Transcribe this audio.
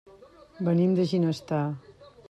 Venim de Ginestar.